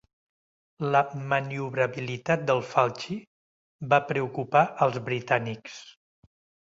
La maniobrabilitat del "Falchi" va preocupar els britànics.